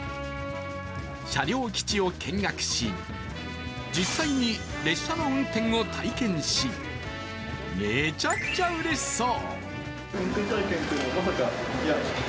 車両基地を見学し、実際に列車の運転を体験しめちゃくちゃうれしそう！